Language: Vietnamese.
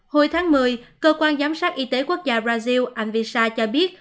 hồi tháng một mươi cơ quan giám sát y tế quốc gia brazil anvisa cho biết